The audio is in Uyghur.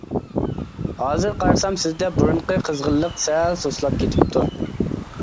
ھازىر قارىسام سىزدە بۇرۇنقى قىزغىنلىق سەل سۇسلاپ كېتىپتۇ.